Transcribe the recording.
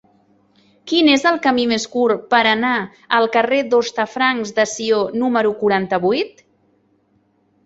Quin és el camí més curt per anar al carrer d'Hostafrancs de Sió número quaranta-vuit?